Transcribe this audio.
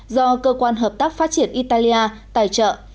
do cơ quan hợp tác phát triển italia tài trợ